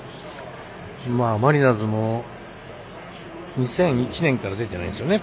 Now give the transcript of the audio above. マリナーズも、２００１年から出てないんですよね